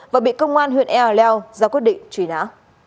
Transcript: và bị công an huyện ea leo ra quyết định truy nã